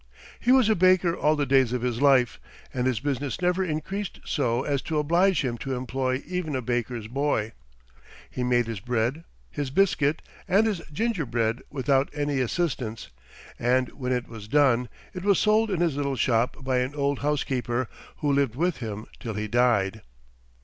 He was a baker all the days of his life, and his business never increased so as to oblige him to employ even a baker's boy. He made his bread, his biscuit, and his gingerbread without any assistance, and when it was done, it was sold in his little shop by an old housekeeper, who lived with him till he died.